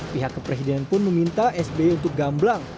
pihak kepresiden pun meminta sby untuk gamblang